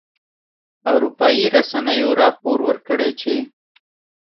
اروپایي رسنیو راپور ورکړی چې